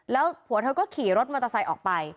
แล้วผัวเธอก็ขี่รถมอเตอร์ไซค์ออกไป